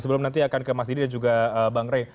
sebelum nanti akan ke mas didi dan juga bang rey